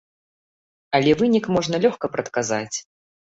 Але вынік можна лёгка прадказаць.